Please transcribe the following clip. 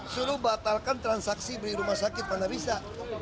suruh batalkan transaksi beli rumah sakit mana bisa